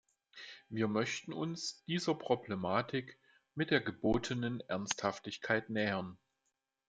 Wir möchten uns dieser Problematik mit der gebotenen Ernsthaftigkeit nähern.